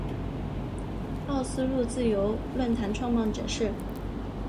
奥斯陆自由论坛创办者是。